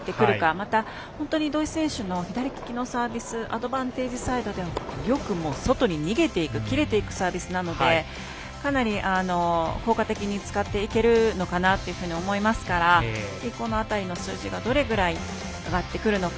また、本当に土居選手の左利きのサービスアドバンテージサイドでよく外に逃げていく切れていくサービスなのでかなり、効果的に使っていけるのかなと思いますからこの辺りの数字がどれぐらい上がってくるのか。